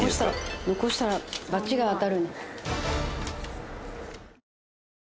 残したら罰が当たる。